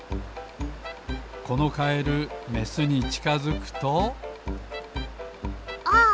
このカエルメスにちかづくとあっ！